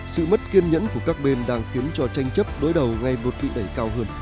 sự mất kiên nhẫn của các bên đang khiến cho tranh chấp đối đầu ngay một bị đẩy cao hơn